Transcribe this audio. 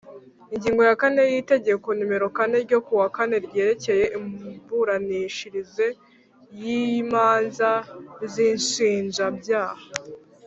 Ingingo ya kane y Itegeko Nomero kane ryo ku wa kane ryerekeye imiburanishirize y imanza z inshinjabyaha